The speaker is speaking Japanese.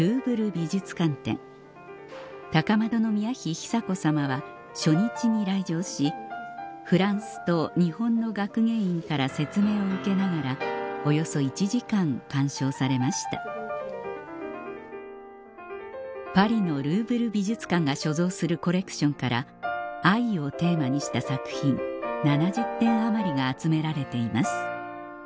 久子さまは初日に来場しフランスと日本の学芸員から説明を受けながらおよそ１時間鑑賞されましたパリのルーヴル美術館が所蔵するコレクションから「愛」をテーマにした作品７０点余りが集められています